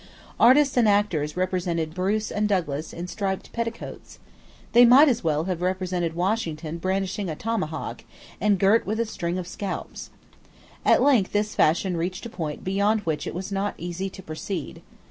Artists and actors represented Bruce and Douglas in striped petticoats. They might as well have represented Washington brandishing a tomahawk, and girt with a string of scalps. At length this fashion reached a point beyond which it was not easy to proceed.